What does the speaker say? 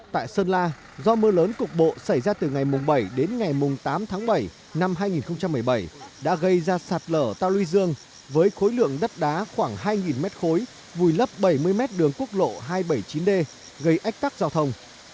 tại sơn la do mưa lớn cục bộ xảy ra từ ngày bảy đến ngày tám tháng bảy năm hai nghìn một mươi bảy đã gây ra sạt lở ta luy dương với khối lượng đất đá khoảng hai mét khối vùi lấp bảy mươi mét đường quốc lộ hai trăm bảy mươi chín d gây ách tắc giao thông